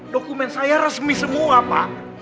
dokumen saya resmi semua pak